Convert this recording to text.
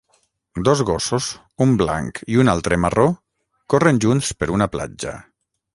Dos gossos, un blanc i un altre marró, corren junts per una platja.